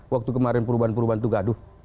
waktu kemarin perubahan perubahan itu gaduh